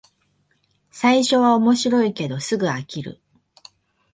最初は面白いけどすぐ飽きる